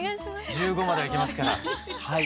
１５まではいけますからはい。